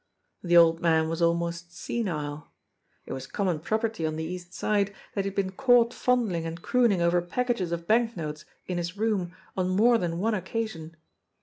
The old man was almost senile. It was common property on the East Side that he had been caught fondling and crooning over packages of banknotes in his room on more than one occasion.